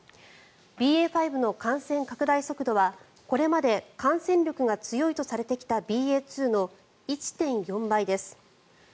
ＢＡ．５の感染拡大速度はこれまで感染力が強いとされてきたＢＡ．２の１．４倍です。